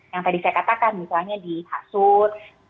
yang tadi saya katakan misalnya di hasud